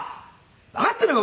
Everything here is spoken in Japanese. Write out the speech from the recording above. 「わかってんのか？